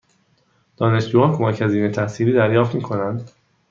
دانشجوها کمک هزینه تحصیلی دریافت می کنند؟